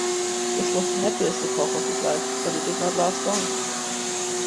This was the happiest epoch of his life, but it did not last long.